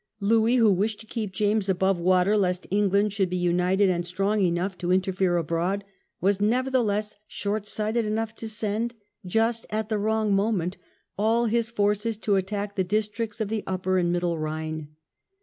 Louis, who wished to keep James above water lest England should be united and strong enough to interfere abroad, was nevertheless short sighted enough to send, just at the wrong moment, all his forces to attack the districts of the Upper and Middle Rhine.